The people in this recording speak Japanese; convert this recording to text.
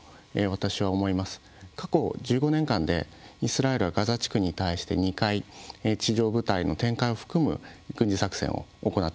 過去１５年間でイスラエルはガザ地区に対して２回地上部隊の展開を含む軍事作戦を行ってきました。